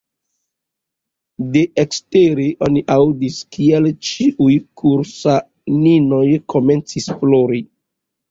De ekstere oni aŭdis kiel ĉiuj kursaninoj komencis plori.